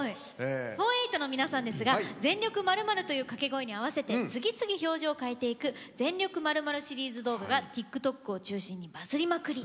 フォーエイト４８の皆さんですが「全力○○」という掛け声に合わせて次々表情を変えていく「全力〇〇」シリーズ動画がＴｉｋＴｏｋを中心にバズりまくり！